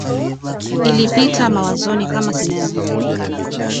ilipita mawazoni kama sinema